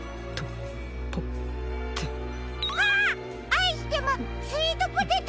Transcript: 「あいしてまスイートポテト」！